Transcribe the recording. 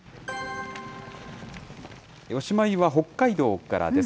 おしまいは北海道からです。